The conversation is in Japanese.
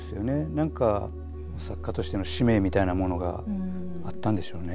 何か作家としての使命みたいなものがあったんでしょうね。